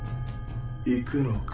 行くのか？